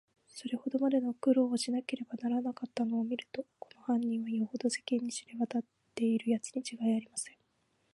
それほどまでの苦労をしなければならなかったのをみると、この犯人は、よほど世間に知れわたっているやつにちがいありません。